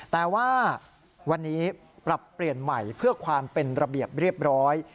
แต่ว่าวันนี้ปรับเปลี่ยนใหม่เพื่อความเป็นระเบียบเรียบร้อย